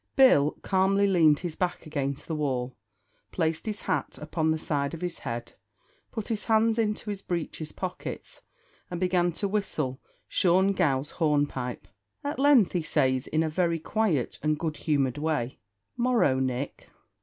Bill calmly leaned his back against the wall, placed his hat upon the side of his head, put his hands into his breeches pockets, and began to whistle Shaun Gow's hornpipe. At length he says, in a very quiet and good humoured way "Morrow, Nick!"